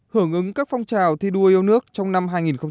hở ngứng các phong trào thi đua yêu nước trong năm hai nghìn hai mươi